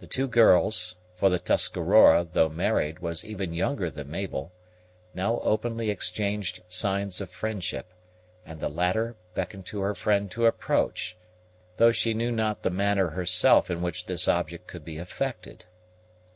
The two girls, for the Tuscarora, though married, was even younger than Mabel, now openly exchanged signs of friendship, and the latter beckoned to her friend to approach, though she knew not the manner herself in which this object could be effected.